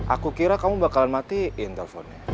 aku kira kamu bakalan matiin teleponnya